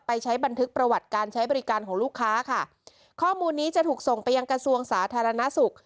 ใช้บันทึกประวัติการใช้บริการของลูกค้าค่ะข้อมูลนี้จะถูกส่งไปยังกระทรวงสาธารณสุข